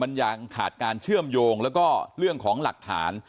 มันยังขาดการเชื่อมโยงแล้วก็เรื่องของหลักฐาน